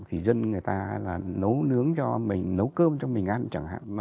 thì dân người ta là nấu nướng cho mình nấu cơm cho mình ăn chẳng hạn